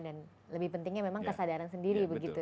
dan lebih pentingnya memang kesadaran sendiri begitu ya pak